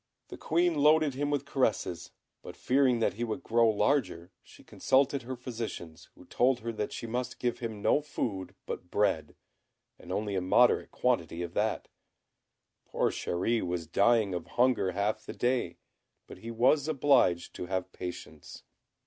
The Queen loaded him with caresses; but fearing that he would grow larger, she consulted her physicians, who told her that she must give him no food but bread, and only a moderate quantity of that. Poor Chéri was dying of hunger half the day, but he was obliged to have patience.